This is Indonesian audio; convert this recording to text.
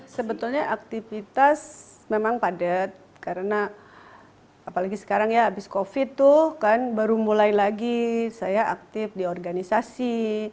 sebetulnya aktivitas memang padat karena apalagi sekarang ya abis covid tuh kan baru mulai lagi saya aktif di organisasi